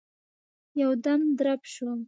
يودم درب شو.